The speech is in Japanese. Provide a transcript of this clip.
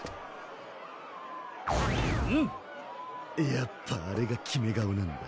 やっぱあれが決め顔なんだ。